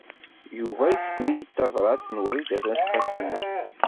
Yuba yessken-iyi-d tabrat n Wrida n At Qasi Muḥ.